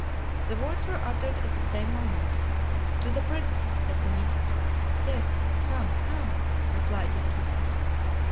The words were uttered at the same moment. "To the prison!" said Benito. "Yes! Come! come!" replied Yaquita.